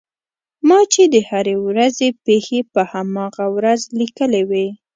ما چې د هرې ورځې پېښې په هماغه ورځ لیکلې وې.